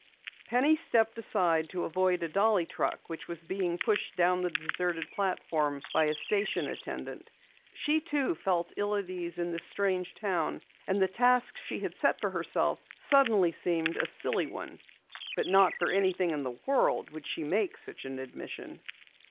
Penny stepped aside to avoid a dolly truck which was being pushed down the deserted platform by a station attendant. She too felt ill at ease in this strange town and the task she had set for herself suddenly seemed a silly one. But not for anything in the world would she make such an admission.